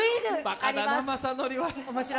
バカだな、雅紀は。